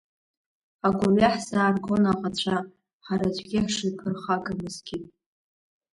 Агәырҩа ҳзааргон аӷацәа, ҳара аӡәгьы ҳшиԥырхагамызгьы.